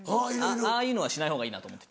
ああいうのはしないほうがいいなと思ってて。